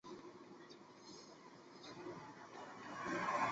亦会出现某些动物作出帮助。